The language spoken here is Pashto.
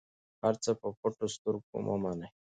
هر څه په پټو سترګو مه منئ.